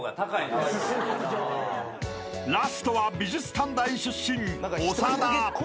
［ラストは美術短大出身長田］